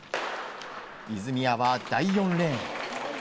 泉谷は第４レーン。